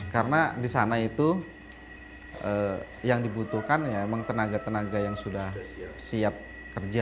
karena di sana itu yang dibutuhkan emang tenaga tenaga yang sudah siap kerja